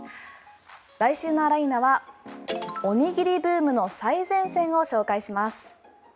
来週のあら、いーな！はおにぎりブームの最前線を紹介します。